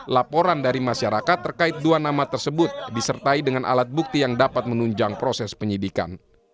laporan dari masyarakat terkait dua nama tersebut disertai dengan alat bukti yang dapat menunjang proses penyidikan